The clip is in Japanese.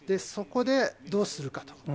そこでどうするかと。